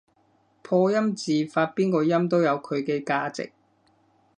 破音字發邊個音都有佢嘅價值